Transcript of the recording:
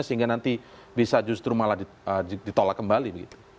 sehingga nanti bisa justru malah ditolak kembali begitu